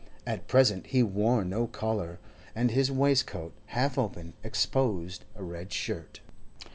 At present he wore no collar, and his waistcoat, half open, exposed a red shirt.